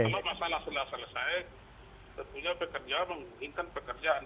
kalau masalah sudah selesai tentunya bekerja memungkinkan pekerjaan